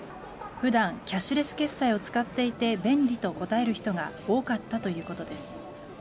普段キャッシュレス決済を使っていて便利と答える人が多かったということです。